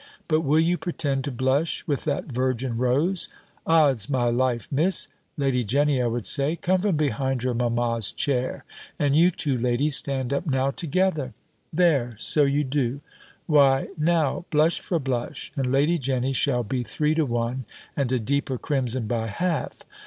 But will you pretend to blush with that virgin rose? Od's my life, Miss Lady Jenny I would say, come from behind your mamma's chair, and you two ladies stand up now together. There, so you do Why now, blush for blush, and Lady Jenny shall be three to one, and a deeper crimson by half.